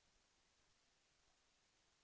แสวได้ไงของเราก็เชียนนักอยู่ค่ะเป็นผู้ร่วมงานที่ดีมาก